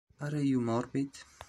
Are You Morbid?